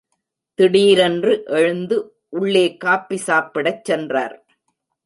திடீரென்று எழுந்து உள்ளே காப்பி சாப்பிடச் சென்றார்.